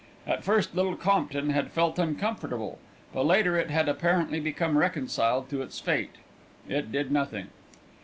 At first Little Compton had felt uncomfortable; but later it had apparently become reconciled to its fate. It did nothing.